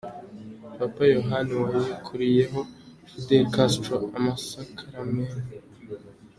Papa Yohani wa yakuriyeho Fidel Castro amasakaramentu.